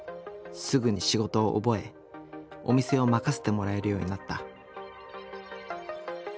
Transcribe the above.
すぐに仕事を覚えお店を任せてもらえるようになった。